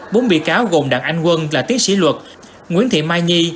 bốn bị cáo gồm đảng anh quân là tiến sĩ luật nguyễn thị mai nhi